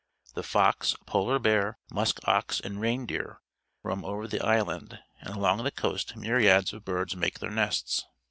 The fox, polar bear, musk ox, and reindeer roam over the island, and along the coast myriads of birds make their nests.